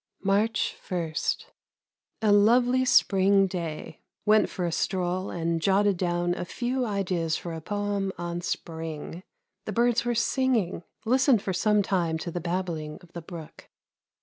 March 1. A lovely spring day. Went for a stroll, and jotted down a few ideas for a poem on Spring. The birds were singing. Listened for some time to the babbling of the brook.